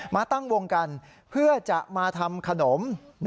มาตั้งวงกันเพื่อจะมาทำขนม